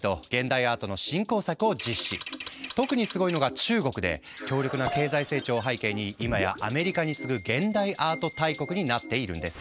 特にすごいのが中国で強力な経済成長を背景に今やアメリカに次ぐ現代アート大国になっているんです。